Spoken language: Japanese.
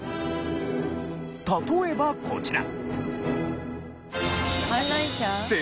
例えばこちら。